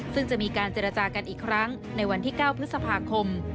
ซึ่งจะมีการเจรจากันอีกครั้งในวันที่๙พฤษภาคม